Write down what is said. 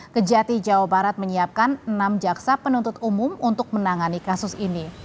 kejati jawa barat menyiapkan enam jaksa penuntut umum untuk menangani kasus ini